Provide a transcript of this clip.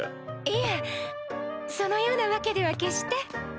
いえそのようなわけでは決して。